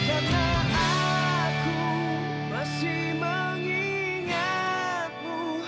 aku masih mengingatmu